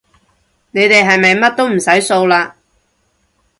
你哋係咪乜都唔使掃嘞